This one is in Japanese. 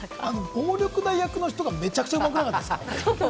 暴力団役の方がめちゃくちゃうまくなかったですか？